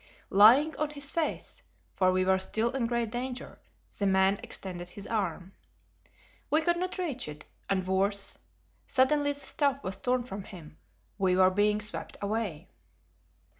Lying on his face for we were still in great danger the man extended his arm. We could not reach it; and worse, suddenly the staff was torn from him; we were being swept away.